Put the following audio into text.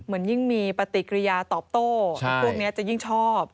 ยิ่งมีปฏิกิริยาตอบโต้พวกนี้จะยิ่งชอบ